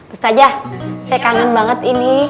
ustajah saya kangen banget ini